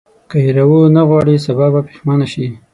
که یې راونه غواړې سبا به پښېمانه شې.